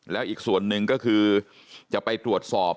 แล้วอีกส่วนหนึ่งก็คือจะไปตรวจสอบ